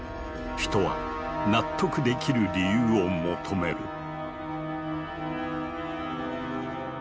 人は納得できる理由を求める。